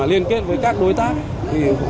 liên kết với các đối tác